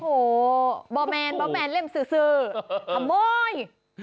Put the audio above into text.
โอ้โหบอมแมนเล่มซื้อขโมย